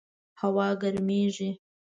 هوا ګرمیږي